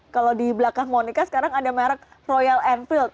kalau di belakang monica sekarang ada merek royal enfield